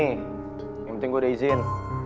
nih yang penting gue udah izin